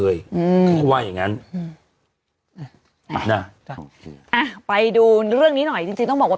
อืมก็ว่าอย่างงั้นอ่ะไปดูเรื่องนี้หน่อยจริงจริงต้องบอกว่า